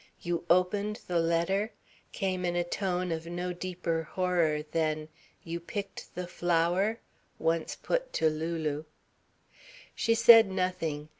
"You opened the letter" came in a tone of no deeper horror than "You picked the flower" once put to Lulu. She said nothing.